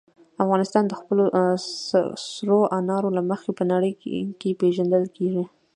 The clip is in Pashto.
افغانستان د خپلو سرو انارو له مخې په نړۍ کې پېژندل کېږي.